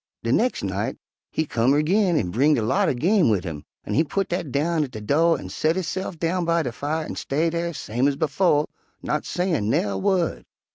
"De nex' night he come erg'in and bringed a lot er game wid 'im, an' he putt dat down at de do' an' set hisse'f down by de fire an' stay dar, same ez befo', not sayin' nair' wu'd.